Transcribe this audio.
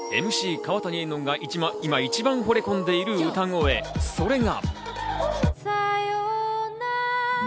・川谷絵音が今一番惚れ込んでいる歌声、それが。